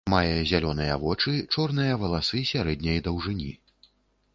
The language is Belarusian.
Мае зялёныя вочы, чорныя валасы сярэдняй даўжыні.